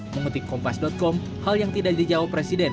mengutip kompas com hal yang tidak dijawab presiden